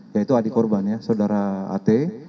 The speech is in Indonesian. yaitu adik korban ya saudara at